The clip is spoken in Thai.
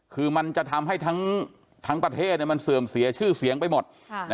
คือมันจะทำให้ทั้งประเทศมันเสื่อมเสียชื่อเสียงไปหมด